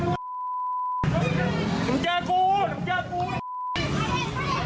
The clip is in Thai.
เฮ้ยเฮ้ยเฮ้ย